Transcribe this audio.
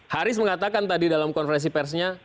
haris mengatakan tadi dalam konferensi persnya